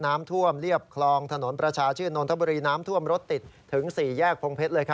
น้ำท่วมเรียบคลองถนนประชาชื่นนทบุรีน้ำท่วมรถติดถึง๔แยกพงเพชรเลย